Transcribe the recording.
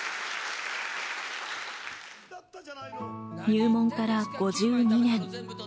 入門から５２年。